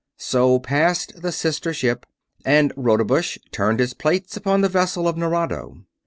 So passed the sister ship, and Rodebush turned his plates upon the vessel of Nerado.